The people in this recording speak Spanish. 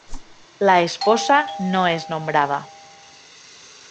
La esposa no es nombrada.